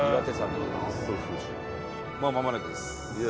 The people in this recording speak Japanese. もうまもなくです